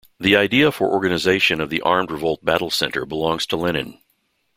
The idea for organization of the armed revolt battle center belongs to Lenin.